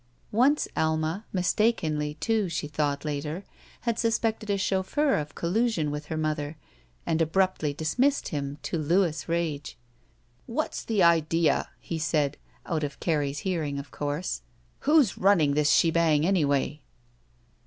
Once Alma, mistakenly, too, she thought later, had suspected a chauffeur of collusion with her mother and abruptly dismissed him, to Louis' rage. ''What's the idea?" he said, out of Carrie's hear ing, of cotirse. ''Who's running this shebang, anyway?"